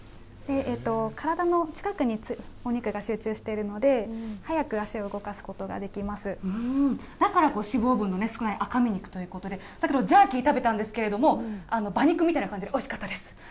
体の近くにお肉が集中してるので、だから、脂肪分の少ない赤身肉ということで、さっき、ジャーキー食べたんですけれども、馬肉みたいな感じでおいしかったです。